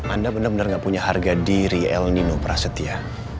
anda benar benar gak punya harga diri el nino prasetya